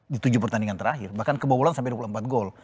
di tujuh pertandingan terakhir bahkan kebobolan sampai dua puluh empat gol